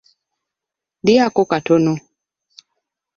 Lyako katono.